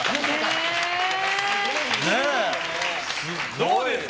どうですか？